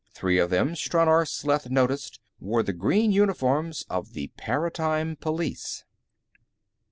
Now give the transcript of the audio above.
Three of them, Stranor Sleth noticed, wore the green uniforms of the Paratime Police.